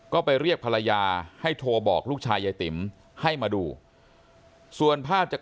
ก็ไปเรียกภรรยาให้โทรบอกลูกชายยายติ๋มให้มาดูส่วนภาพจาก